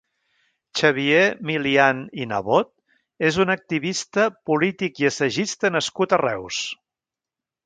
Xavier Milian i Nebot és un activista polític i assagista nascut a Reus.